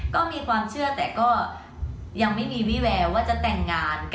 ก็มีความเชื่อแต่ก็ยังไม่มีวิแววว่าจะแต่งงาน